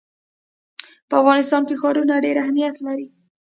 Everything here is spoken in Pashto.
په افغانستان کې ښارونه ډېر اهمیت لري.